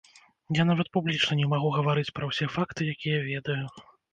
Я нават публічна не магу гаварыць пра ўсе факты, якія ведаю.